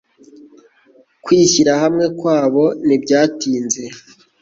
Kwishyira hamwe kwabo ntibyatinze